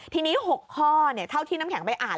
ทีนี้๖ข้อเท่าที่น้ำแข็งไปอ่าน